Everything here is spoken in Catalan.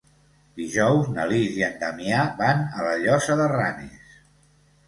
Dijous na Lis i en Damià van a la Llosa de Ranes.